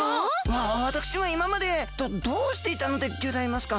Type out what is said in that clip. わたくしはいままでどどうしていたんでギョざいますか？